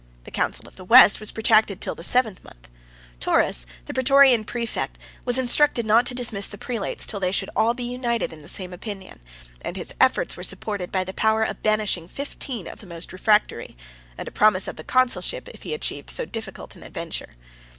The council of the West was protracted till the seventh month. Taurus, the Prætorian præfect was instructed not to dismiss the prelates till they should all be united in the same opinion; and his efforts were supported by the power of banishing fifteen of the most refractory, and a promise of the consulship if he achieved so difficult an adventure.